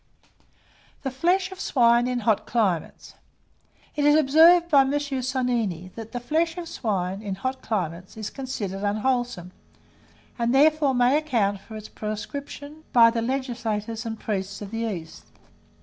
THE FLESH OF SWINE IN HOT CLIMATES. It is observed by M. Sonini, that the flesh of swine, in hot climates, is considered unwholesome, and therefore may account for its proscription by the legislators and priests of the East.